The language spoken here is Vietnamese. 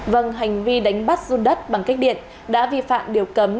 vâng hành vi đánh bắt run đất bằng kích điện đã vi phạm điều cấm